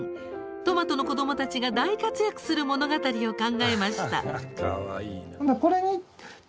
トマトの子どもたちが大活躍する物語を考えました。